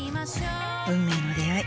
運命の出会い。